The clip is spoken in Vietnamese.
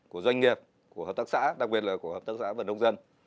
của doanh nghiệp của hợp tác xã đặc biệt là của hợp tác xã và nông dân